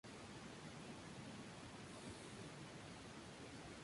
Entonces, en el transcurso del tiempo, la jerarquía se vuelve cada vez menos efectiva.